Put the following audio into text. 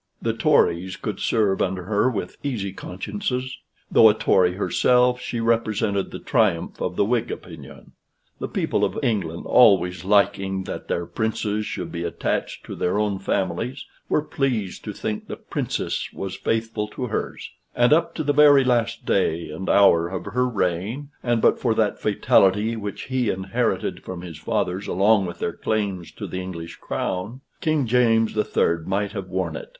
The Tories could serve under her with easy consciences; though a Tory herself, she represented the triumph of the Whig opinion. The people of England, always liking that their Princes should be attached to their own families, were pleased to think the Princess was faithful to hers; and up to the very last day and hour of her reign, and but for that fatality which he inherited from his fathers along with their claims to the English crown, King James the Third might have worn it.